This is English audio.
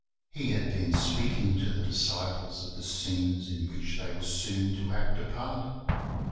He had been speaking to the disciples of the scenes in which they were soon to act a part.